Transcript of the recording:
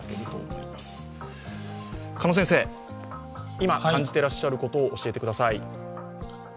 今感じてらっしゃることを教えてください。